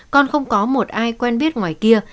con không có một ai quen biết ngoài kia